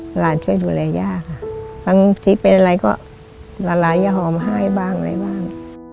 หลานช่วยดูแลย่าค่ะบางทีเป็นอะไรก็หลานจะหอมไห้บ้างอะไรบ้าง